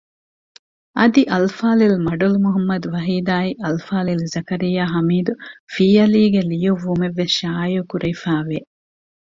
އަދި އަލްފާޟިލް މަޑުލު މުޙައްމަދު ވަޙީދާއި އަލްފާޟިލް ޒަކަރިއްޔާ ހަމީދު ފީއަލީ ގެ ލިޔުއްވުމެއް ވެސް ޝާއިއުކުރެވިފައި ވެ